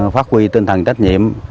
phát huy tinh thần trách nhiệm